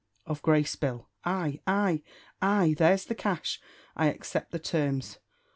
"Of grace, Bill! Ay! ay! ay! There's the cash. I accept the terms.